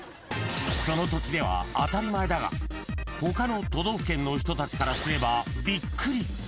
［その土地では当たり前だが他の都道府県の人たちからすればびっくり！］